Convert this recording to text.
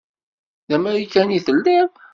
D amarikani i telliḍ?